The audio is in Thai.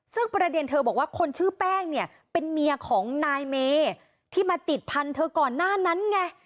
ซึ่งประเด็นเธอบอกว่าคนชื่อแป้งเนี่ยเป็นเมียของนายเมที่มาติดพันธุ์เธอก่อนหน้านั้นไง